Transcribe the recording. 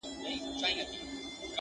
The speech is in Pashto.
چي خپل ځان یې د خاوند په غېږ کي ورکړ!!